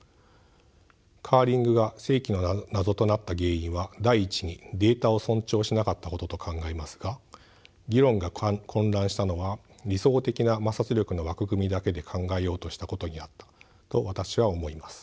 カーリングが世紀の謎となった原因は第一にデータを尊重しなかったことと考えますが議論が混乱したのは理想的な摩擦力の枠組みだけで考えようとしたことにあったと私は思います。